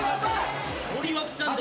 ・森脇さん。